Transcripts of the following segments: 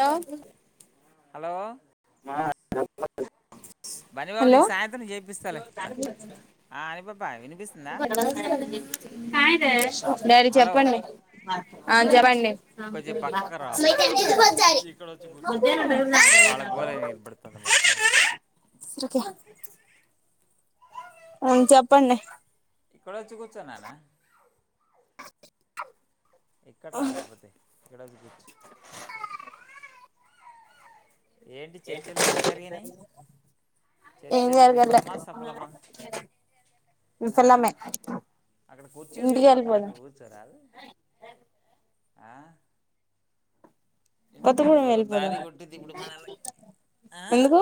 Hello [unintelligible] బని బాబు నీకు సాయంత్రం చేపిస్తాలే క్కడ ఆ అనిబ [unintelligible] డాడి చెప్పండి ఆ చెప్పండి [inaudible] సరిక ఉ చెప్పండి ఇక్కడ వచ్చి కూర్చున్నాన్న [inaudible] ఇక్కడ రాలేకపోతే ఇక్కడ వచ్చి కూర్చు ఏం జరగాలే విఫలమే ఇంటికాయళ పోదా కొత్తగూడెం వెళ్ళిపోదాం ఎందుకు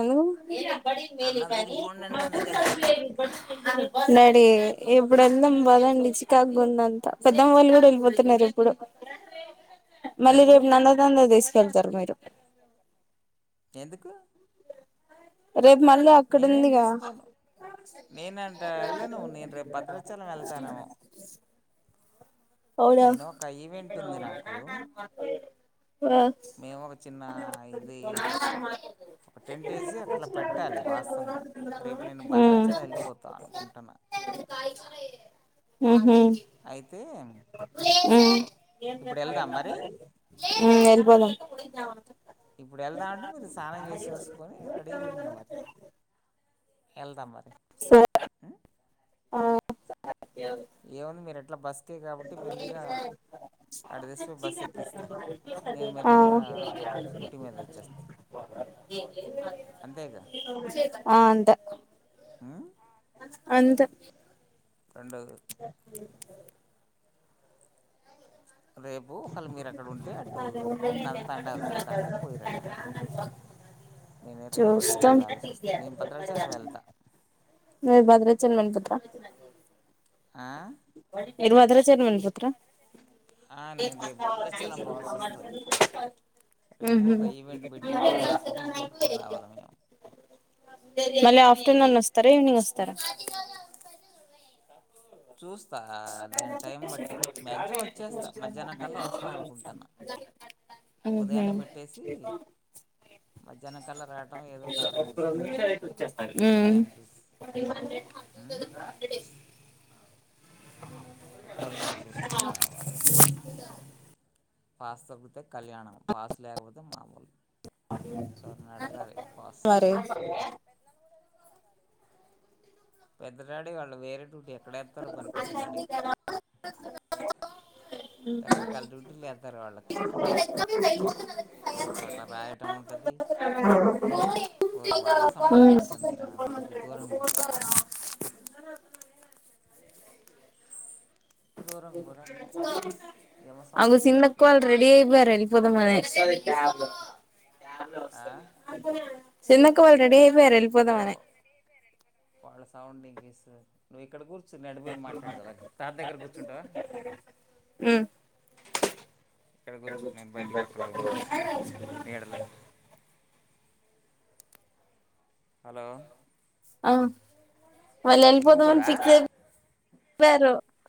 ఎందుకు బడి మేలి కానీ ద ఏ ఎప్పుడు వెళ్దాం బాదండి చికాకు గుంది అంతా పెద్దమ్మ వాళ్ళు కూడా వెళ్ళిపోతున్నారు ఇప్పుడు మళ్ళరేపు నన్నన్న దేశ చెతారు మీరు ఎందుకు రేపు మళ్ళీ అక్కడుందిగా అవునా మేము ఒక చిన్న ఇది ఒక టెన్ డేసి అక్కలా పెట్టాలి వాస్తవంగా రేపు నేను భద్రాచలామ్ వెళ్ళిపోతాను అనుకుంటున్నా ఉ అయితే ఉ ఎలీపోధమ్ పోయిందా ఇప్పుడు వెళ్దామంటే మీరు స్నానం చేసి వసుకొని రెడీగా ఉండండి మరి వెళ్దా మరి ఆ ఏముంది మీరు ఎట్లా బస్ ఆ ఆ అంతే అంతే రెండు [unintelligible] రేపు ఒకళ్ళ మీరు అక్కడ ఉంటే అటు నన్నతాండ అదిపోతా అంటే పోయిరండి మరి నేనే రేపు అటు వెళ్ళాల్సి వస్తుంది నేను భద్రాచల ఎళ్తా అ ఆ మీరు అద్రాచలం వెళిపోతార [unintelligible] ఉహు [unintelligible] మళ్ళ ఆఫ్టర్నూన్ వస్తారా, ఈవినింగ్ వస్తారా? చూస్తా దాని టైం బట్టి మ్యాక్సిమం వచ్చేస్తా. మధ్యాహ్నం కల్లా వస్తా అనుకుంటాన్న ఉదయాన్నే పెట్టేసి మధ్యాహ్నం కల్లా రావటం ఏదోటి ఆలోచిస్తా టైం చూస్ ఊ ఎక్కడా చోట చూసుకొని రాయాల పాస్ అవ్వితే కళ్యాణం పాస్ లేకపోతే మా వాళ్లుు ఎవరిని అడగాలి పాస్ పెద్దడాడీ వాళ్ళు వేరే డూటీ ఎక్కడ ఎత్తారు పని పెద్దడాడికి రకరకాల డ్యూటీలు ఎత్తారు వాళ్ళకి, కొన్ని చోట్ల రాయటం ఉంటుంది. ఊరి వాళ్ళ సౌండ్లు విపడుతున్నాయి రాన్న కొద్ది దూరం [inaudible] అవ్ చిన్నకువళ్లు రెడి అయిపోయారు వెళ్ళపోధమ్ అనే చిన్నకువళ్ళ రెడి అరే వా వాళ్ళ సౌండ్ మింగేసా మెక్కడ గు సార్ ఆడు పోయి మాట్లాడతా మరి సార్ దగ్గర కూర్చుంటావా ఇక్కడ కూర్చు నేను బయటికి అక్కడ పోయి మాట్లా నీడలో హలో ఆ నువ్వు కూడా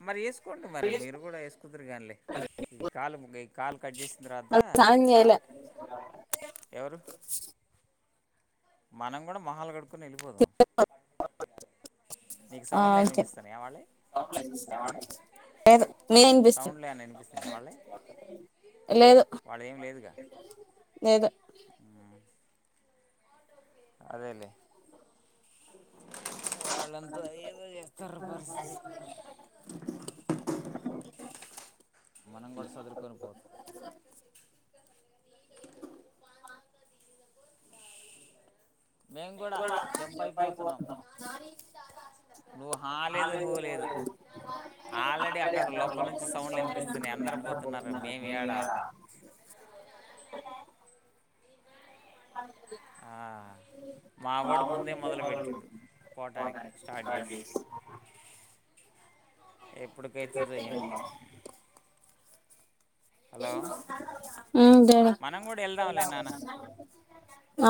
మరి వేసుకోండి మరి మీరు కూడా వేసుకుందురు గాన్లే కాలు ఈ కాలు కట్ చేసిన తర్వాత ఎవరు మనం కూడా మొహాలు గడు ఆ ఓకే లేదు నే వినిపిస్తు లేదు లేదు అదేలేే వాళ్ళంతా ఏదో చేస్తారు పరిస్థితి మనం కూడా సదురుకొని పోద మేం కూడా జంపై పోతున్నాం ఆ లేదు ఊ లేదు ఆల్రెడీ అక్కడ లోపలినుంచి సౌండ్ మీ అందరు పోతున్నారు మేమ్ ఏడ ఆ మా వాడు ముందే మొదలు పెట్టిండు పోటానికి స్టార్ట్ చేసి ఎప్పుటికైతదో ఏమో హలో మనం కూడా వెళ్దాంలే నాన్న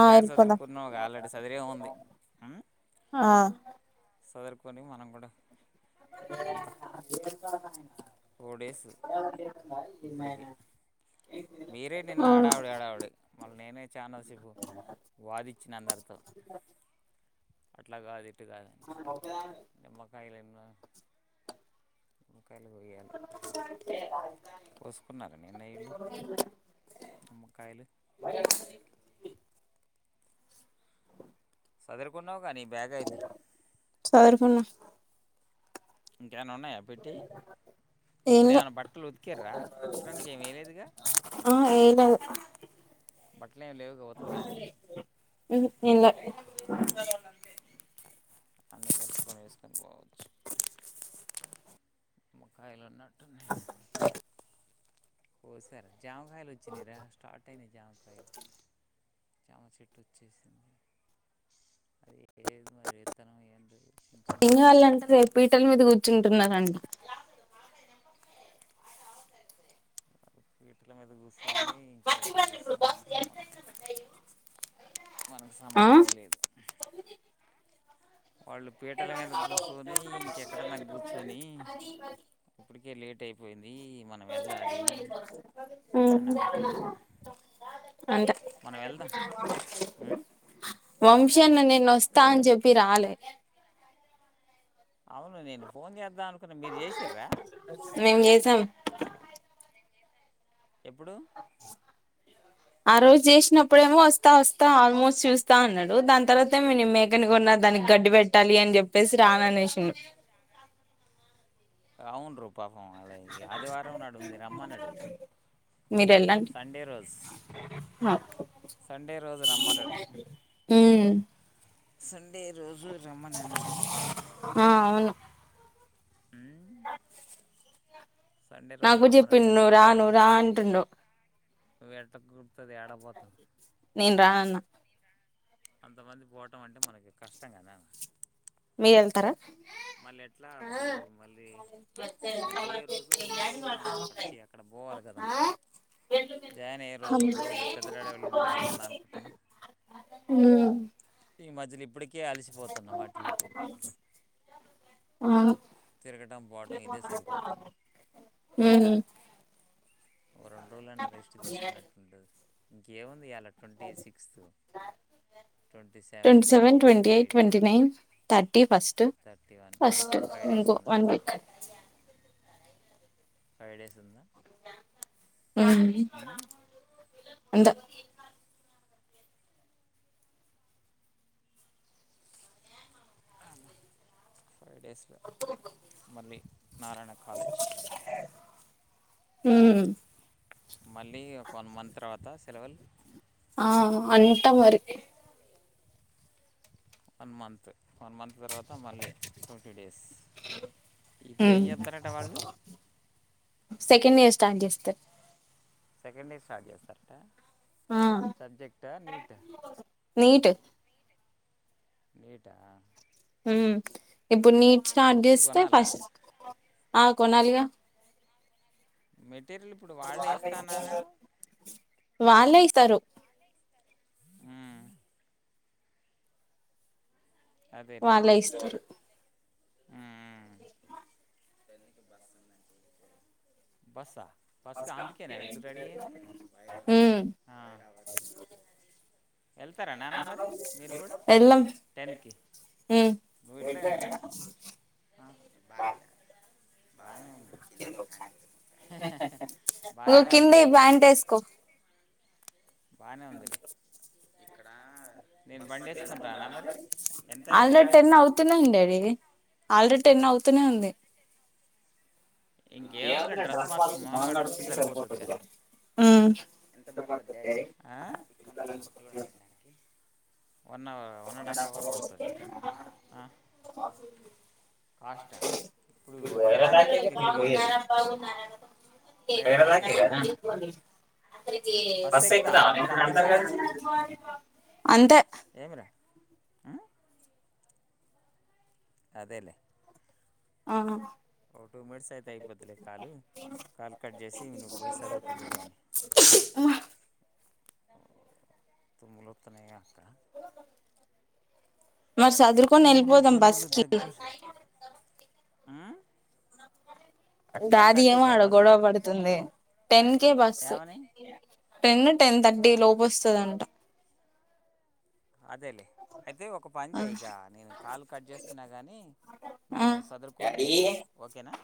బ్యాగ్ చదురుకున్నవ్ గా ఆల్రెడీ చదిరే ఉంది ఉ ఆ చదురుకొని మనం కూడా [unintelligible] ఫోర్ డేస్ ఇప్పటికి మీరే నిన్న హడావిడి హడావిడ మళ్ళీ నేనే చానాసేపు వాదిచ్చిన అందరితో అట్లాగాది ఇట్ కాదు నిమ్మకాయలెంగా ఒకళ్ళు కూ [inaudible] కోసుకున్నారా నిన్న ఈల్లు నిమ్మకాయలు సదురుకున్నావు కానీ బ్యాగ్ అయితే అ ఏమన్నా ఉన్నాయా పెట్టేయి ఇప్పుడు ఏమైనా బట్టలు ఉతికిర్రా ఉతకడానికి ఏమి వేయలేదుగా బట్టలేం లేవుగా ఉతకడానికి ఏం లే అన్ని కలుపుకొని వేసు రావొచ్చు నిమ్మ కాయలు ఉన్నట్టు [inaudible] ఓ సార జామ కాయాలొచ్చినై రా స్టార్ట్ అయినాయి జామ కాయలు జామ చెట్టు వచ్చేసింది అది ఏమొ మరి విత్తనం అయ్యండదు చిన్నగా వచ్చినయి కాయలన్ని చెట్ల మీద కూసుని ఇంకేదరం కూసుని మన సమం మనకు సంబంధం ఏ లేదు వంశి అన్న నేను వస్తా అని చెప్పి రాలే అవును నేను ఫోన్ చేద్దాను మేం చేసాం ఎప్పుడు ఆ రోజు చేసినప్ ఇప్పుడేమో వస్తా వస్తా ఆల్మోస్ట్ చూస్త ఇస్తా అన్నాడు దాని తర్వాత మేకని కొన్న దానికి గడ్డి పెట్టాలి అని చెప్పేసి రాన అనేసిండు అవును రూ పాపం అలా ఆదివారం నాడు ఉంది రమ్మనడు సండే రోజు సండే రోజు రమ్మనడు సెంర సండేరోజు రమ్మని అన్నాడు నాకు చెప్పింది నువ్వు రా నువ్వు రా అంటుండ వెట్టకు కుర్తుది ఏడపోతాం నను రాన్నా అంతమంది పోవటం అంటే మనకి కష్టంగానే మీతారా మజలు ఇప్పుటికి ఇకే అలసిపోతున్నా వాటి వీటు అవును తిరగటం పోవడం ఇదే సరిపోతుంది ఓ రెండు రోజులైన రెస్ట్ తీసుకున్నట్టు ఉంటది ఇంకముంది ఎలా twenty seven, twenty eight, twenty nine, thirty, first, first ఇంకో వన్ వీక్. ఫైవ్ డేస్ ఉంది హ్మ్ అంత ఫైవ్ డే స్లో మళ్ళీ నారాయణ కాలేజ్ హ్మ్ మళ్ళీ వన్ మంత్ తర్వాత సెలవుల్ ఆ అంట మరి వన్ మంత్ వన్ మంత్ తర్వాత మళ్ళీ ట్వంటీ డేస్ ఇప్పుడు ఏం చెప్తారట వాళ్ళు సెకండ్ ఇయర్ స్టార్ట్ చేస్తార్ సెకండ్ ఇయర్ స్టార్ట్ చేస్తారట సబ్జెక్ట్ ఆ నీట్ నీట్ నీట్ ఆ హ్మ్ ఇప్ ఇప్పుడు నీట్ స్టార్ట్ చేస్తే ఫస్ అ కొనాలిగా మే పేర్లు ఇప్పుడు వాళ్లే ఏస్తాన్నార వాళ్లే ఇస్తారు వాళ్ళే ఇస్తారు బసా బస్సు కా అందుకేనా వీళ్ళు రెడీ అయింది హా వెళ్తారా నాన్న మరి మీరు కూడా టెన్ కి ఉ బాలేదా బానే ఉంది హ హ హ బానే ఉందిలే బానే ఉందిలే ఇక్కడా నేను బండేసుకొని రానా మరి ఆల్రెడి టెన్ అవుతునే ఉంది డాడీ ఆల్రెడీ టెన్ అవుతు నే ఉంది ఏముందిలే డ్రస్ మార్చుకొని మొకం కడుకుంటే సరిపోతుందిలే ఉ ఎంత పడతంది డాడీ హా ఇక్కడ నుంచి కొత్తగూడెం వెళ్ళడానికి వన్ అండ్ హాఫ్ హావర్ పడుతది కాస్ట్ హ మీరు వైర దాకె గా పొయ్యేది వైర దాకే కదా నాన్న బస్సు ఎక్కుదావ ఇప్పుడు అంతా కలిసి అంతే ఎమిరా అ అదేలే ఆ ఒక టూ మినిట్స్ అయితే అయిపోతులే కాలు కాలు కట్ చేసి నువ్వు పోయి సదురుకుందువు కానీ తుమ్ములుఓతున్నాయా అక్క మరి చదురుకొని వెళ్ళిపోదాం బస్ కి హ్మ్మ్ దాది ఏమో ఆడ గొడవ పడుతుంది టెన్ కే బస్సు టెన్ టెన్ థర్టీ లోపు వస్తదంట అదేలే అయితే ఒక పని చేయి ఇక నేను కాలు కట్ చేస్తున్నా కానీ నువ్వు చదురుకొని హెల్తు ఓకేనా